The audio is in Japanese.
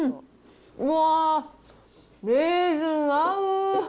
うわー、レーズン合う！